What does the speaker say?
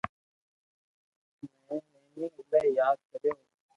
مي ٺني ايلائي ياد ڪريو